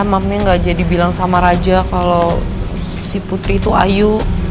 mamanya gak jadi bilang sama raja kalau si putri itu ayu